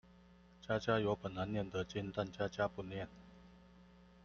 家家有本難念的經，但家家不念